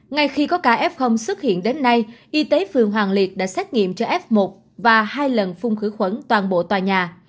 ngay khi có ca f xuất hiện đến nay y tế phường hoàng liệt đã xét nghiệm cho f một và hai lần phun khử khuẩn toàn bộ tòa nhà